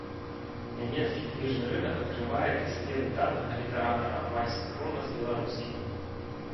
Нямецкі кніжны рынак адкрывае для сябе выдатнага літаратара амаль сінхронна з беларускім.